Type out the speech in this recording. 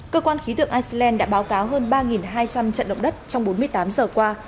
cơ quan khí tượng iceland đã báo cáo hơn ba hai trăm linh trận động đất trong bốn mươi tám giờ qua